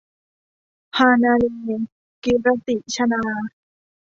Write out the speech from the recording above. ฮานาเล - กีรติ ชนา